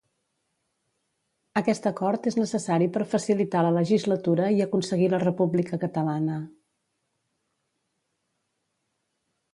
Aquest acord és necessari per facilitar la legislatura i aconseguir la república catalana.